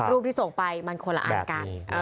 รูปที่ส่งไปมันคนละอันกัน